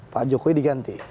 pak jokowi diganti